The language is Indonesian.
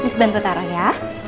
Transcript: miss bantu taruh ya